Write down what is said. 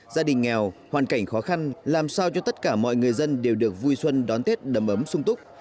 gia đình nghèo hoàn cảnh khó khăn làm sao cho tất cả mọi người dân đều được vui xuân đón tết đầm ấm sung túc